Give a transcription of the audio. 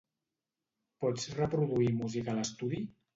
Pots reproduir música a l'estudi?